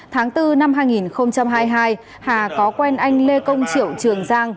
tháng bốn năm hai nghìn hai mươi hai hà có quen anh lê công triệu trường giang